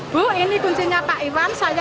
bu ini kuncinya pak iwan